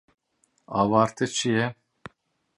Awarte çi ye?